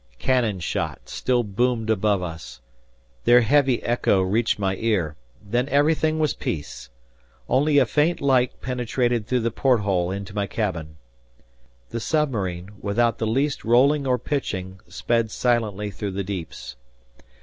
Cannon shot still boomed above us. Their heavy echo reached my ear; then everything was peace. Only a faint light penetrated through the porthole into my cabin. The submarine, without the least rolling or pitching, sped silently through the deeps.